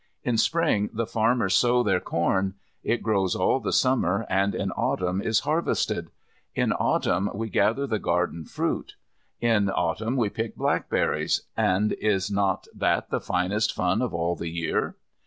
In Spring the farmers sow their corn. It grows all the Summer and in Autumn is harvested. In Autumn we gather the garden fruit. In Autumn we pick blackberries, and is not that the finest fun of all the year?